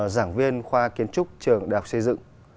giảng viên khoa kiến trúc trường đại học xây dựng